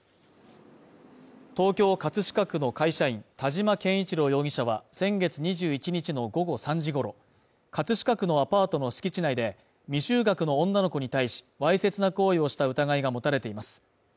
東京・葛飾区の会社員田島憲一郎容疑者は先月２１日の午後３時ごろ葛飾区のアパートの敷地内で、未就学の女の子に対し、わいせつな行為をした疑いが持たれています。